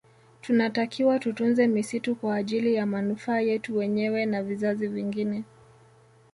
Tunatakiwa tutunze misitu kwa ajili ya manufaa yetu wenyewe na vizazi vingine